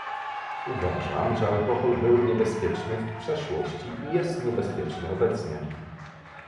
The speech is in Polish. Uważam, że alkohol był niebezpieczny w przeszłości i jest niebezpieczny obecnie